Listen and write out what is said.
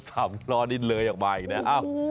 รถสามร้อนิเลยออกมาอีกแล้ว